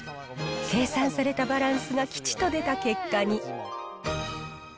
計算されたバランスが吉と出た結果に。